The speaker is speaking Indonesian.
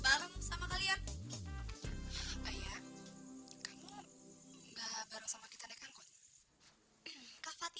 ini sudah peraturan dari sananya bu